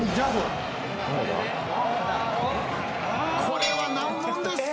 これは難問です。